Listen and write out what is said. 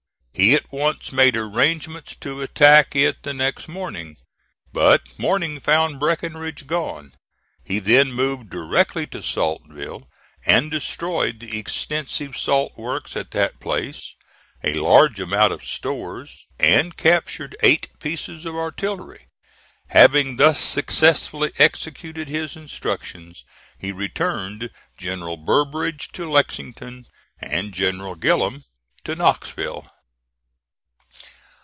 He at once made arrangements to attack it the next morning; but morning found Breckinridge gone. He then moved directly to Saltville, and destroyed the extensive salt works at that place, a large amount of stores, and captured eight pieces of artillery. Having thus successfully executed his instructions, he returned General Burbridge to Lexington and General Gillem to Knoxville.